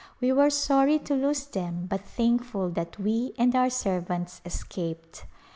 We were sorry to lose them but thankful that we and our servants escaped.